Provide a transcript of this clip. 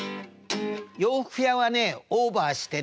洋服屋はねオーバーしてね